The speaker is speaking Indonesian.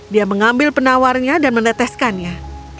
dia mengambil penawarnya dan meneteskannya